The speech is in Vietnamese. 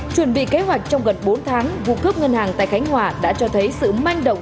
chuẩn bị kế hoạch trong gần bốn tháng vụ cướp ngân hàng tại khánh hòa đã cho thấy sự manh động